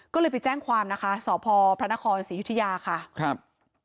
ก็เลยไปแจ้งความนะคะสพพระนครศรียุธยาค่ะครับ